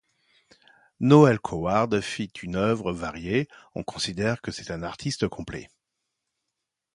Noël Coward fit une œuvre variée, on considère que c'est un artiste complet.